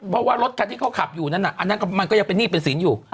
เพราะว่ารถคันที่เขาขับอยู่นั้นอันนั้นมันก็ยังเป็นหนี้เป็นสินอยู่